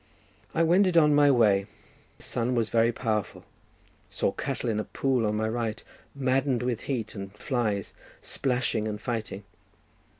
I wended on my way; the sun was very powerful; saw cattle in a pool on my right, maddened with heat and flies, splashing and fighting.